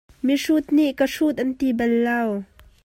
Mihrut nih ka hrut an ti bal lo.